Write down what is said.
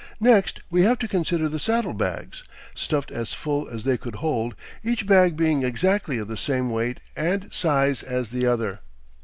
Next we have to consider the saddle bags, stuffed as full as they could hold, each bag being exactly of the same weight and size as the other.